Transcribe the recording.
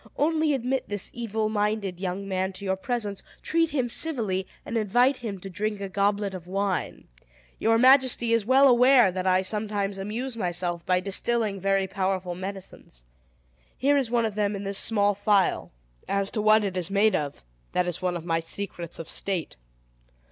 "Only admit this evil minded young man to your presence, treat him civilly, and invite him to drink a goblet of wine. Your majesty is well aware that I sometimes amuse myself by distilling very powerful medicines. Here is one of them in this small phial. As to what it is made of, that is one of my secrets of state.